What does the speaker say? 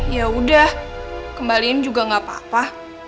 yaudah kembaliin juga gak apa apa